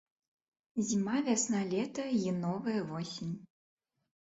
Зіма, вясна, лета і новая восень.